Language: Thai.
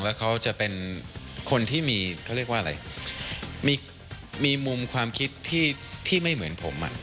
แล้วเขาจะเป็นคนที่มีเขาเรียกว่าอะไรมีมุมความคิดที่ไม่เหมือนผมอ่ะ